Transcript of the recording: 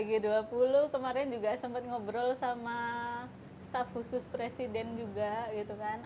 g dua puluh kemarin juga sempat ngobrol sama staf khusus presiden juga gitu kan